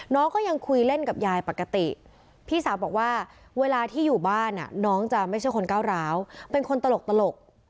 น้องก็ยังคุยเล่นกับยายปกติพี่สาวบอกว่าเวลาที่อยู่บ้านน้องจะไม่ใช่คนก้าวร้าวเป็นคนตลก